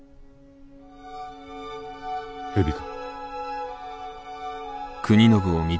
蛇か？